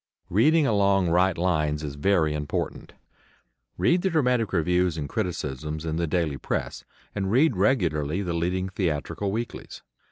Reading along right lines is very important. Read the dramatic reviews and criticisms in the daily press, and read regularly the leading theatrical weeklies.